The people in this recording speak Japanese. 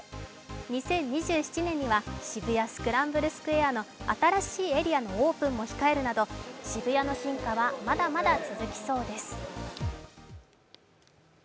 ２０２７年には渋谷スクランブルスクエアの新しいエリアのオープンも控えるなど渋谷の進化は、まだまだ続きそうです。